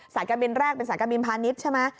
การบินแรกเป็นสายการบินพาณิชย์ใช่ไหม